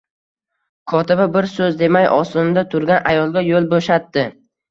Kotiba bir so`z demay ostonada turgan ayolga yo`l bo`shatdi